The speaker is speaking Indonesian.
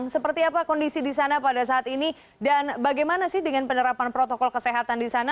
seperti apa kondisi di sana pada saat ini dan bagaimana sih dengan penerapan protokol kesehatan di sana